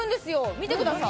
見てください。